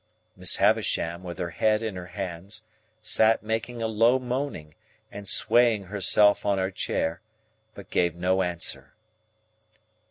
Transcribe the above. Miss Havisham, with her head in her hands, sat making a low moaning, and swaying herself on her chair, but gave no answer.